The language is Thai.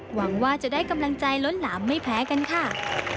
หวังว่าจะได้กำลังใจล้นหลามไม่แพ้กันค่ะ